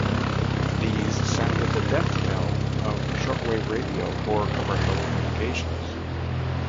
These sounded the death knell of shortwave radio for commercial communications.